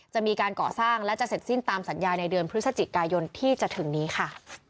จะมีการก่อสร้างและจะเสร็จสิ้นตามสัญญาในเดือนพฤศจิกายนที่จะถึงนี้ค่ะ